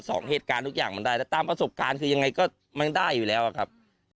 เหตุการณ์ทุกอย่างมันได้แล้วตามประสบการณ์คือยังไงก็มันได้อยู่แล้วอะครับ